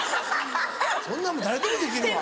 そんなもん誰でもできるわ。